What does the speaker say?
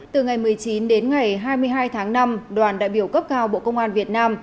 từ ngày một mươi chín đến ngày hai mươi hai tháng năm đoàn đại biểu cấp cao bộ công an việt nam